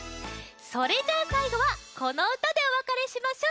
それじゃあさいごはこのうたでおわかれしましょう。